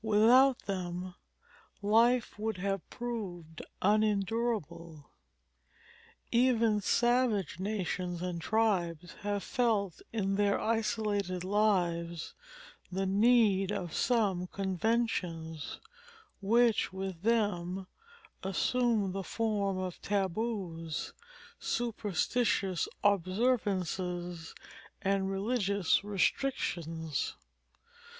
Without them life would have proved unendurable. Even savage nations and tribes have felt in their isolated lives the need of some conventions, which with them assume the form of taboos, superstitious observances, and religious restrictions.